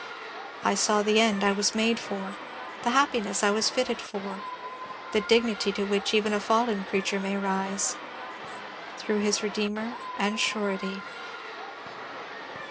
I saw the end I was made for the happiness I was fitted for the dignity to which even a fallen creature may rise, through his dear Redeemer and surety."